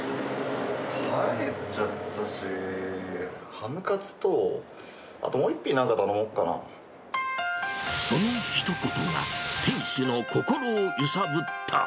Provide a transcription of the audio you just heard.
腹減っちゃったし、ハムカツと、あともう１品、そのひと言が、店主の心を揺さぶった。